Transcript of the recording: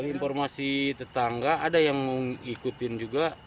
informasi tetangga ada yang mengikutin juga